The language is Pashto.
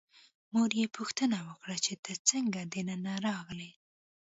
مور یې پوښتنه وکړه چې ته څنګه دننه راغلې.